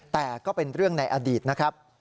แต่ก็เป็นเรื่องในอดีตนะครับ